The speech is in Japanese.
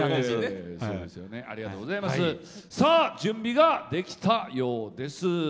準備ができたようです。